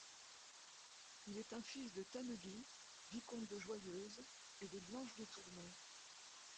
Il est un fils de Tanneguy, vicomte de Joyeuse, et de Blanche de Tournon.